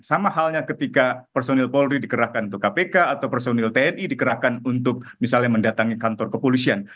sama halnya ketika personil polri dikerahkan untuk kpk atau personil tni dikerahkan untuk misalnya mendatangi kantor kepolisian